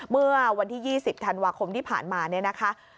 เมื่อวันที่๒๐ธันวาคมที่ผ่านมาเนี่ยนะคะ